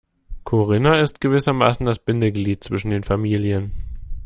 Corinna ist gewissermaßen das Bindeglied zwischen den Familien.